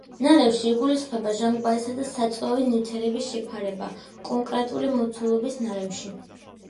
ნარევში იგულისხმება ჟანგბადისა და საწვავი ნივთიერების შეფარდება კონკრეტული მოცულობის ნარევში.